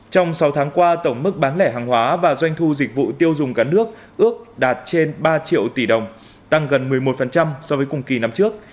trong sáu tháng qua tổng mức bán lẻ hàng hóa và doanh thu dịch vụ tiêu dùng cả nước ước đạt trên ba triệu tỷ đồng tăng gần một mươi một so với cùng kỳ năm trước